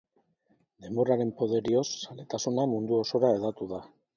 Denboraren poderioz, zaletasuna mundu osora hedatu da.